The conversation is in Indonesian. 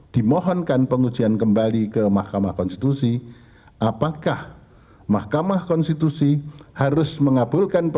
dimohonkan pengujian kembali ke mahkamah konstitusi apakah mahkamah konstitusi harus mengabulkan